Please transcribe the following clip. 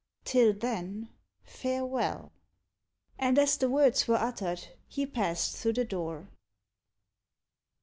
Till then, farewell." And as the words were uttered, he passed through the door.